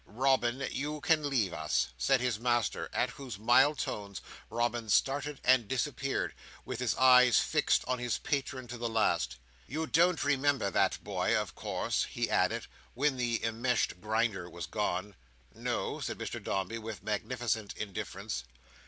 "Robin, you can leave us," said his master, at whose mild tones Robin started and disappeared, with his eyes fixed on his patron to the last. "You don't remember that boy, of course?" he added, when the enmeshed Grinder was gone. "No," said Mr Dombey, with magnificent indifference.